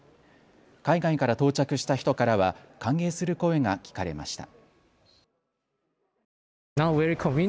海外から到着した人からは歓迎する声が聞かれました。